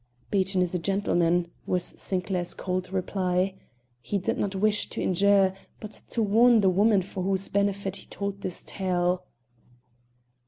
"Beaton is a gentleman," was Sinclair's cold reply. "He did not wish to injure, but to warn the woman for whose benefit he told his tale."